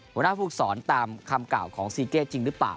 หัวหน้าภูมิสอนตามคำกล่าวของซีเก้จริงหรือเปล่า